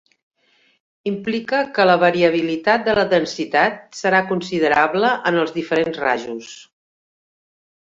Implica que la variabilitat de la densitat serà considerable en els diferents rajos.